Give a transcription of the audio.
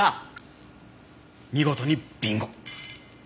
見事にビンゴ。